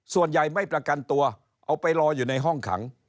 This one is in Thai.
ไม่ประกันตัวเอาไปรออยู่ในห้องขัง